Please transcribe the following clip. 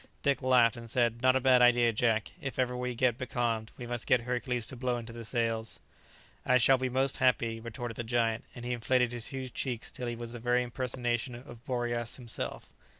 Dick laughed, and said, "Not a bad idea, Jack; if ever we get becalmed, we must get Hercules to blow into the sails." "I shall be most happy," retorted the giant, and he inflated his huge checks till he was the very impersonation of Boreas himself.